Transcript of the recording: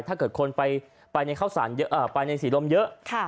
ถ้าเกิดคนไปในศรีลมเยอะ